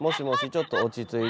ちょっと落ち着いて。